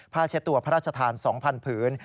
เช็ดตัวพระราชทาน๒๐๐ผืน